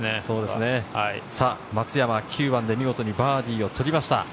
松山、９番で見事にバーディーを取りました。